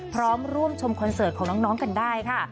พร้อมร่วมชมคอนเสิร์ตของน้องกันได้ค่ะ